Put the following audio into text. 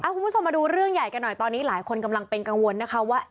คุณผู้ชมมาดูเรื่องใหญ่กันหน่อยตอนนี้หลายคนกำลังเป็นกังวลนะคะว่า